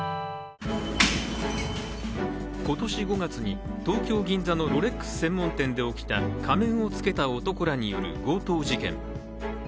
今年５月に東京・銀座のロレックス専門店で起きた仮面を着けた男らによる強盗事件。